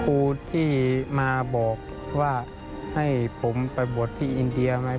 ครูที่มาบอกว่าให้ผมไปบวชที่อินเดียไหม